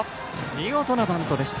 見事なバントでした。